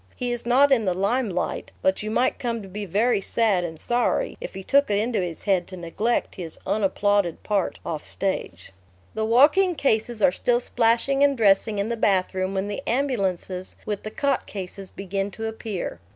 He is not in the limelight; but you might come to be very sad and sorry if he took it into his head to neglect his unapplauded part off stage. The walking cases are still splashing and dressing in the bathroom when the ambulances with the cot cases begin to appear.